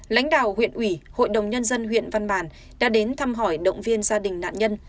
lãnh đạo huyện ủy hội đồng nhân dân huyện văn bàn đã đến thăm hỏi động viên gia đình nạn nhân